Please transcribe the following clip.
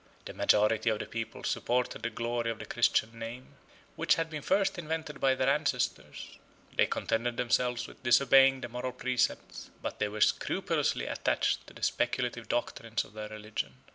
The majority of the people supported the glory of the Christian name, which had been first invented by their ancestors: 13 they contended themselves with disobeying the moral precepts, but they were scrupulously attached to the speculative doctrines of their religion.